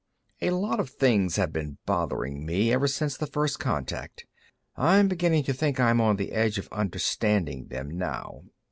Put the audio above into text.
"A lot of things have been bothering me, ever since the first contact. I'm beginning to think I'm on the edge of understanding them, now.